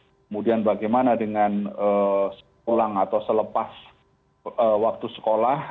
kemudian bagaimana dengan pulang atau selepas waktu sekolah